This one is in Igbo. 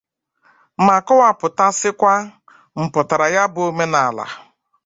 ma kọwàpụtasịkwa mpụtàrà ya bụ omenala.